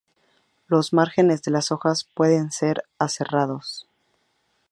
Los márgenes de las hojas pueden ser aserrados.